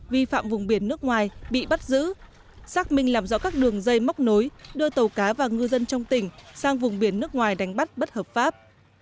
vi phạm vùng biển nước ngoài bị bắt giữ xác minh làm rõ các đường dây móc nối đưa tàu cá và ngư dân trong tỉnh sang vùng biển nước ngoài đánh bắt bất hợp pháp